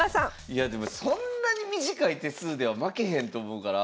いやでもそんなに短い手数では負けへんと思うから。